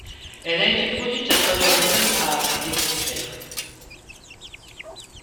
Elle a été produite à travers le monde à d'exemplaires.